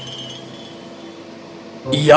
lihatlah lagi sedikit ayah